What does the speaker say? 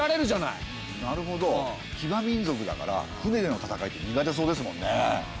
なるほど騎馬民族だから船での戦いって苦手そうですもんね。